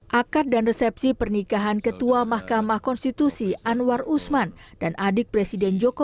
hai akar dan resepsi pernikahan ketua mahkamah konstitusi anwar usman dan adik presiden joko